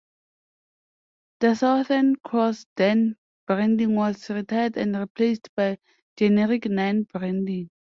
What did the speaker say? The Southern Cross Ten branding was retired and replaced by generic Nine branding.